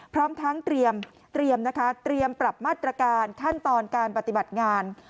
พร้อมทั้งเตรียมปรับมาตรการขั้นตอนการปฏิบัติงาน